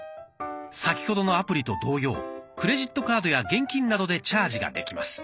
先ほどのアプリと同様クレジットカードや現金などでチャージができます。